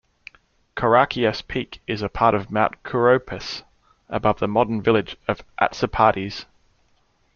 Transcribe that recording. Korakias peak is a part of Mount Kouroupas, above the modern village of Atsipades.